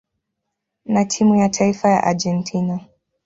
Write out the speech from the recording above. na timu ya taifa ya Argentina.